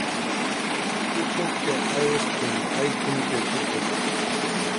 تو تُھپ تے ائی ایس تُھم ائی تُھم تے تو تُھپ